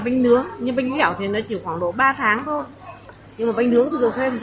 bánh trung thu mini đang ngày càng thu hút nhiều đơn vị đặt để làm quà